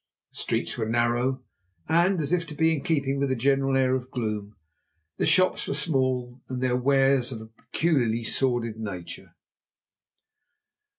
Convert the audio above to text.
The streets were narrow, and, as if to be in keeping with the general air of gloom, the shops were small and their wares of a peculiarly sordid nature.